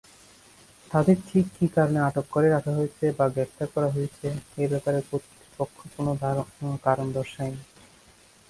তাদের ঠিক কি কারণে আটক করে রাখা হয়েছে বা গ্রেপ্তার করা হয়েছে, এ ব্যাপারে কর্তৃপক্ষ কোন কারণ দর্শায়নি।